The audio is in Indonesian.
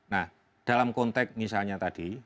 nah dalam konteks misalnya tadi